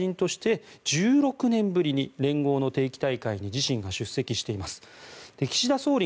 そして自民党の総理大臣として１６年ぶりに連合の定期大会に自身が出席しています。